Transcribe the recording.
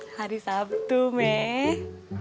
hari sabtu meh